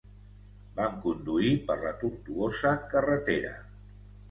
Vam conduir per la tortuosa carretera.